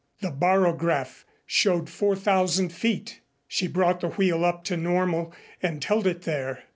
The barograph showed four thousand feet. She brought the wheel up to normal and held it there.